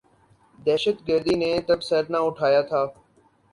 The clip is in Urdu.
دہشت گردی نے تب سر نہ اٹھایا تھا۔